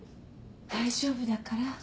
大丈夫だから。